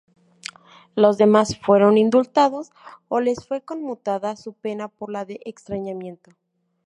Los demás fueron indultados o les fue conmutada su pena por la de extrañamiento.